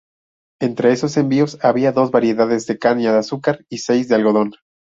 Entre esos envíos, había dos variedades de caña de azúcar y seis de algodón.